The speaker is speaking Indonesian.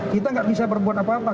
kita nggak bisa berbuat apa apa